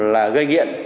là gây nghiện